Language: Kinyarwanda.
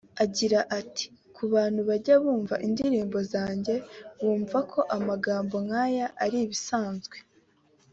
Agira ati “Ku bantu bajya bumva indirimbo zanjye bumva ko amagambo nk’aya ari ibisanzwe